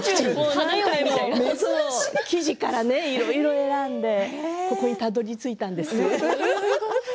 生地からいろいろと選んでここにたどりついたんですよ。